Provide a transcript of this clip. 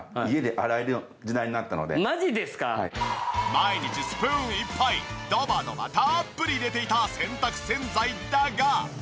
毎日スプーンいっぱいドバドバたっぷり入れていた洗濯洗剤だが。